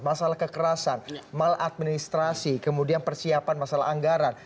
masalah kekerasan maladministrasi kemudian persiapan masalah anggaran